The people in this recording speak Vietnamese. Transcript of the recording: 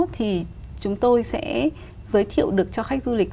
thì chúng tôi sẽ giới thiệu được cho khách du lịch